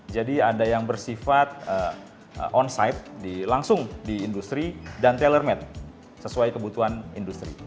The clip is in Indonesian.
jadi ada yang bersifat on site langsung di industri dan tailor made sesuai kebutuhan industri